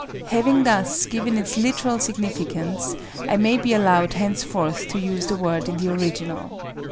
Having thus given its literal significance, I may be allowed henceforth to use the word in the original.